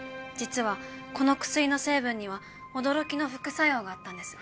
実はこの薬の成分には驚きの副作用があったんです。